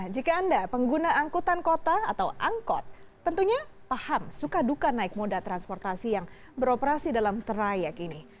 jika anda pengguna angkutan kota atau angkot tentunya paham suka duka naik moda transportasi yang beroperasi dalam trayek ini